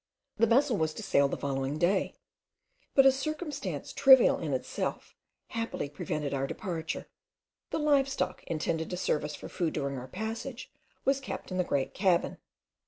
The vessel was to sail the following day; but a circumstance trivial in itself happily prevented our departure. The live stock intended to serve us for food during our passage, was kept in the great cabin.